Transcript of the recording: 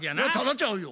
ちゃうの？